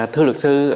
thưa luật sư